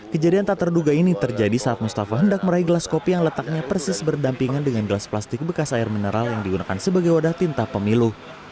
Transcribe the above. kejadian tak terduga ini terjadi saat mustafa hendak meraih gelas kopi yang letaknya persis berdampingan dengan gelas plastik bekas air mineral yang digunakan sebagai wadah tinta pemilu